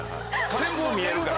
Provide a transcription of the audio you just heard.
全部見えるから。